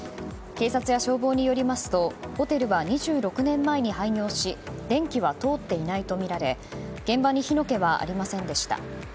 警察や消防によりますとホテルは２６年前に廃業し電気は通っていないとみられ現場に火の気はありませんでした。